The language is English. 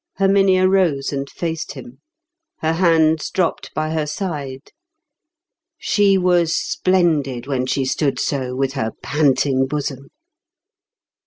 Herminia rose and faced him. Her hands dropped by her side. She was splendid when she stood so with her panting bosom.